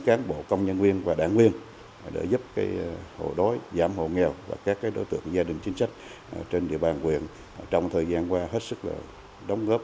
các bộ công nhân viên và đảng viên để giúp cái hồ đói giảm hồ nghèo và các cái đối tượng gia đình chính sách trên địa bàn quyền trong thời gian qua hết sức là đóng góp